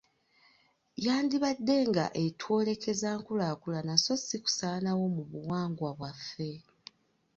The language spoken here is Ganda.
Yandibaddenga etwolekeza nkulaakulana so si kusaanawo mu buwangwa bwaffe.